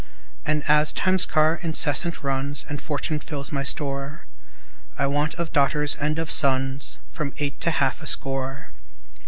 And as Time's car incessant runs, And Fortune fills my store, I want of daughters and of sons From eight to half a score.